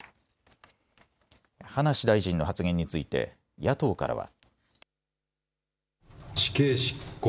葉梨大臣の発言について野党からは。